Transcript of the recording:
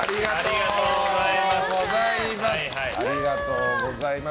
ありがとうございます。